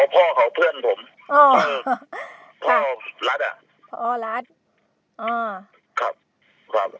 อ๋อพ่อเขาเพื่อนผมอ๋อพ่อลัดอะพ่อลัดอ๋อครับครับ